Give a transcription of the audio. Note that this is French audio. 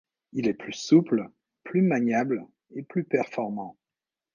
Il est plus souple, plus maniable et plus performant.